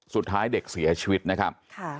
สุดท้ายเด็กเสียชีวิตนะครับ